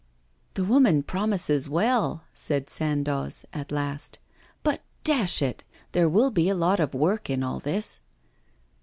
'The woman promises well,' said Sandoz, at last; 'but, dash it, there will be a lot of work in all this.